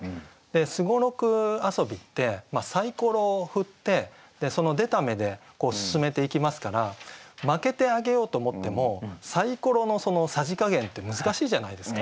双六遊びってさいころを振ってその出た目で進めていきますから負けてあげようと思ってもさいころのそのさじ加減って難しいじゃないですか。